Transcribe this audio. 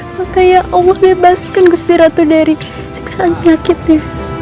makanya allah bebasikan gusti ratu dari siksa nyakitnya